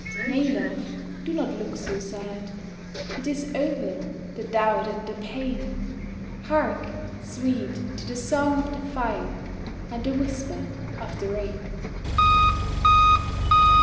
Nay, love, do not look so sad; It is over, the doubt and the pain; Hark! sweet, to the song of the fire, And the whisper of the rain.